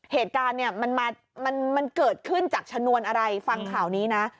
เหตุการณ์เนี่ยมันเกิดขึ้นจากชนวนอะไรฟังข่าวนี้นะ